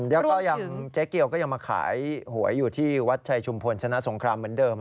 แล้วก็ยังเจ๊เกียวก็ยังมาขายหวยอยู่ที่วัดชัยชุมพลชนะสงครามเหมือนเดิม